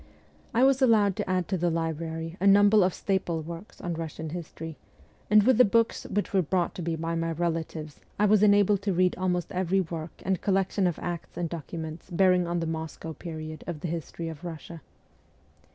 I was allowed to add to the library a number of staple works on Russian history, and with the books which were brought to me by my relatives I was enabled to read almost every work and collection of acts and documents bearing on the Moscow period of the history of Russia.